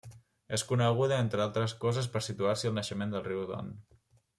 És coneguda entre altres coses per situar-s'hi el naixement del riu Don.